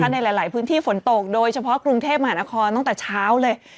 ในหลายพื้นที่ฝนตกโดยเฉพาะกรุงเทพมหานครตั้งแต่เช้าเลย